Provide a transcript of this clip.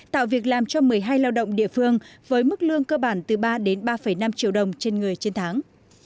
tạo việc làm cho một mươi hai lao động địa phương với mức lương cơ bản từ ba đến ba năm triệu đồng trên người trên tháng